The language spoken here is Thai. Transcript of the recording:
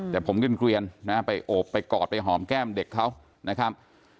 แต่ผมเกลียนนะไปโอบไปกอดไปหอมแก้มเด็กเขานะครับ